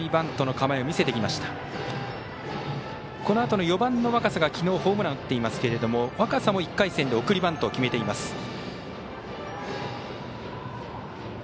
このあとの４番の若狭がきのうホームランを打っていますが若狭も１回戦で送りバント決めています。